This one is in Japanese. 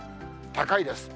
高いです。